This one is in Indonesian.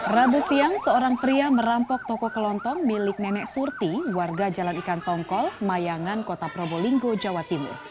rabu siang seorang pria merampok toko kelontong milik nenek surti warga jalan ikan tongkol mayangan kota probolinggo jawa timur